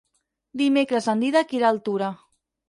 Dimecres en Dídac irà a Altura.